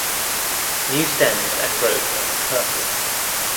New stems and growth are purple.